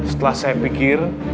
setelah saya pikir